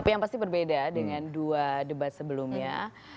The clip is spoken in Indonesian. yang pasti berbeda dengan dua debat sebelumnya